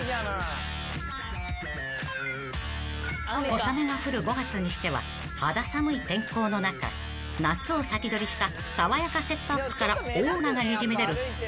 ［小雨が降る５月にしては肌寒い天候の中夏を先取りした爽やかセットアップからオーラがにじみ出る